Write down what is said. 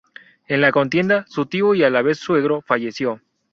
En la contienda, su tío y a la vez suegro falleció.